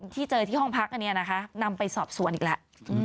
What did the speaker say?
ที่เจอที่ห้องพักอันนี้นะคะนำไปสอบสวนอีกแล้ว